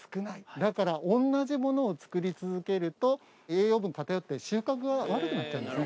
だから、同じものを作り続けると、栄養分が偏って、収穫が悪くなっちゃうんですね。